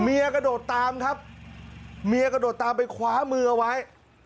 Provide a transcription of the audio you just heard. กระโดดตามครับเมียกระโดดตามไปคว้ามือเอาไว้